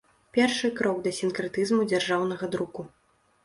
Першы крок да сінкрэтызму дзяржаўнага друку.